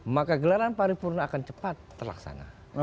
maka gelaran paripurna akan cepat terlaksana